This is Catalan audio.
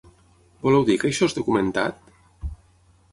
Voleu dir que això és documentat?